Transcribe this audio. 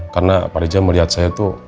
karena pak rija melihat saya itu